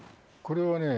これはね